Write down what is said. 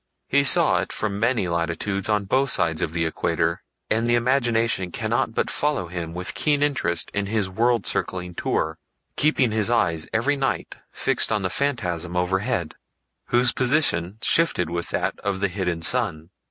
He saw it from many latitudes on both sides of the equator, and the imagination cannot but follow him with keen interest in his world circling tour, keeping his eyes every night fixed upon the phantasm overhead, whose position shifted with that of the hidden sun.